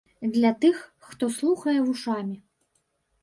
Для тых, хто слухае вушамі.